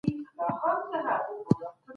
معلولینو ته ځانګړي حقونه ورکړل سوي وو.